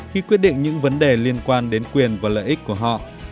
khi quyết định những vấn đề liên quan đến quyền và lợi ích của họ